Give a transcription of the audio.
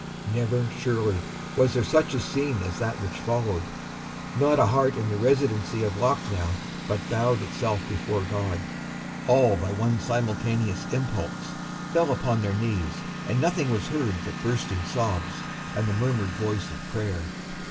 Never, surely, was there such a scene as that which followed. Not a heart in the residency of Lucknow but bowed itself before God. All, by one simultaneous impulse, fell upon their knees, and nothing was heard but bursting sobs and the murmured voice of prayer.